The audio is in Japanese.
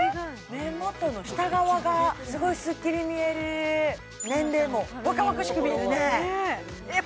目元の下側がすごいスッキリ見える年齢も若々しく見えるねねぇえっ